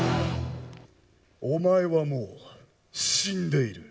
お前はもう死んでいる。